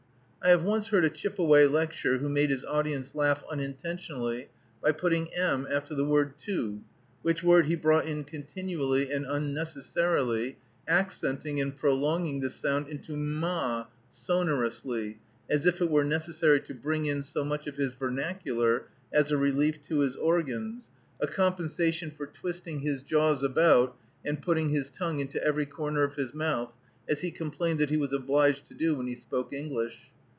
I have once heard a Chippeway lecture, who made his audience laugh unintentionally by putting m after the word too, which word he brought in continually and unnecessarily, accenting and prolonging this sound into m ah sonorously, as if it were necessary to bring in so much of his vernacular as a relief to his organs, a compensation for twisting his jaws about, and putting his tongue into every corner of his mouth, as he complained that he was obliged to do when he spoke English.